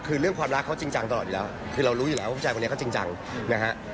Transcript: คือเรื่องความรักเขาจริงจังตลอดอยู่แล้วคือเรารู้อยู่แล้วว่าผู้ชายคนนี้เขาจริงจังนะฮะ